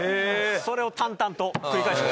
それを淡々と繰り返してた？